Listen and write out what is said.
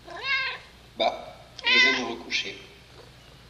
Bah ! je vais me recoucher.